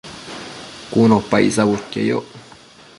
cun opa icsabudquieyoc